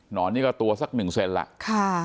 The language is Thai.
หนอนนี้ก็ตัวสัก๑เซนละค่ะ